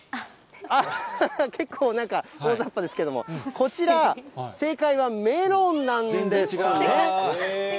結構なんか、おおざっぱですけれども、こちら、正解はメロンなんですね。